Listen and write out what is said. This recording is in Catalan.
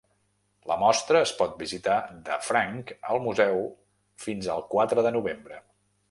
La mostra es pot visitar de franc al museu fins al quatre de novembre.